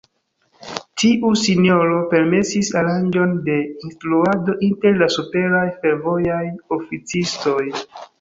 Tiu sinjoro permesis aranĝon de instruado inter la superaj fervojaj oficistoj.